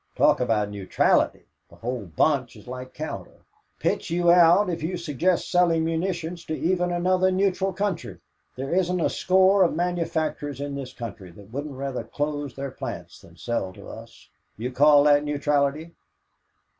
Talk about neutrality! The whole bunch is like Cowder. Pitch you out if you suggest selling munitions to even another neutral country. There isn't a score of manufacturers in this country that wouldn't rather close their plants than sell to us. Do you call that neutrality?"